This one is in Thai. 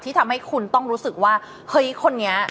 ทำให้คุณต้องรู้สึกว่าเฮ้ยคนนี้